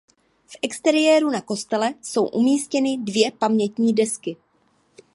V exteriéru na kostele jsou umístěny dvě pamětní desky.